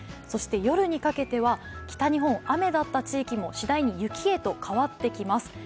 そして夜にかけては北日本雨だった地域もしだいに雪へと変わっていきます。